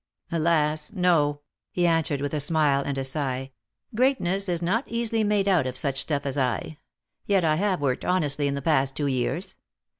" Alas, no," he answered with a smile and a sigh ;" greatness is not easily made out of such stuff as I. Yet I have worked honestly in the past two years.